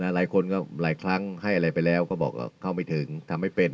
หลายคนก็หลายครั้งให้อะไรไปแล้วก็บอกว่าเข้าไม่ถึงทำไม่เป็น